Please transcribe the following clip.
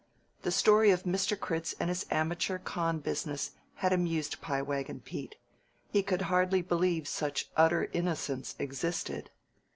The story of Mr. Critz and his amateur con' business had amused Pie Wagon Pete. He could hardly believe such utter innocence existed.